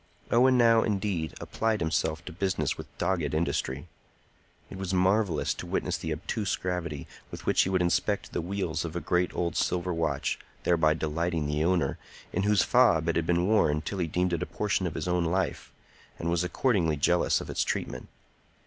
Owen now, indeed, applied himself to business with dogged industry. It was marvellous to witness the obtuse gravity with which he would inspect the wheels of a great old silver watch thereby delighting the owner, in whose fob it had been worn till he deemed it a portion of his own life, and was accordingly jealous of its treatment.